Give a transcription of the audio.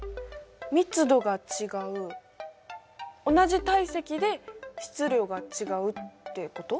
密度が違う同じ体積で質量が違うってこと？